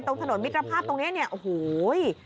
ตรงถนนมิตรภาพตรงนี้เนี่ยโอ้โห